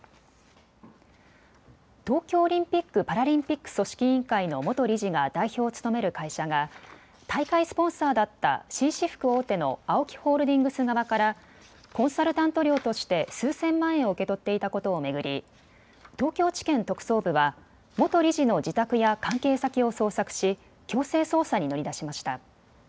東京オリンピック・パラリンピック組織委員会の元理事が代表を務める会社が大会スポンサーだった紳士服大手のＡＯＫＩホールディングス側からコンサルタント料として数千万円を受け取っていたことを巡り東京地検特捜部は元理事の自宅や関係先を捜索し強制捜査に乗り出しました。